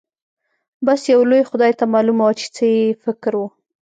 بس يو لوی خدای ته معلومه وه چې څه يې فکر و.